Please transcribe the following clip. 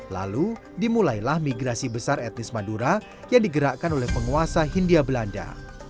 lalu dimulailah migrasi besar etnis madura yang digerakkan oleh penguasa hindia belanda